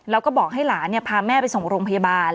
แล้วก็บอกให้หลานพาแม่ไปส่งโรงพยาบาล